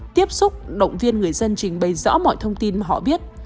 tiếp xúc động viên người dân trình bày rõ mọi thông tin mà họ biết